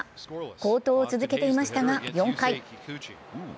好投を続けていましたが４回。